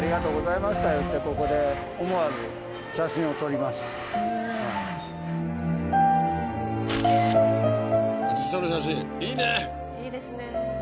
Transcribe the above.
いいですね。